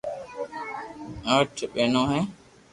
آٺ ٻينو ھي